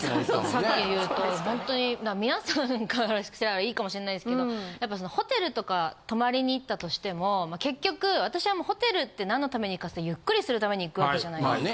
さっき言うとほんとに皆さんからしたらいいかもしんないですけどやっぱそのホテルとか泊まりに行ったとしてもまあ結局私はもうホテルって何の為に行くかっていうとゆっくりするために行くわけじゃないですか。